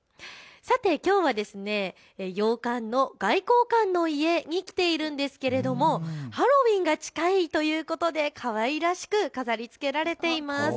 きょうは洋館の外交官の家に来ているんですがハロウィーンが近いということでかわいらしく飾りつけられています。